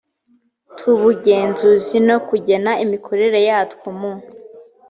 twubugenzuzi no kugena imikorere yatwo mu